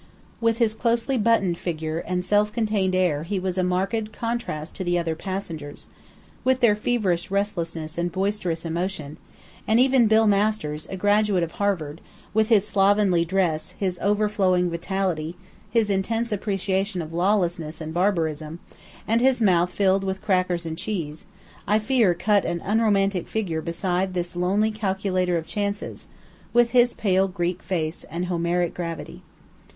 With his closely buttoned figure and self contained air he was a marked contrast to the other passengers, with their feverish restlessness and boisterous emotion; and even Bill Masters, a graduate of Harvard, with his slovenly dress, his overflowing vitality, his intense appreciation of lawlessness and barbarism, and his mouth filled with crackers and cheese, I fear cut but an unromantic figure beside this lonely calculator of chances, with his pale Greek face and Homeric gravity.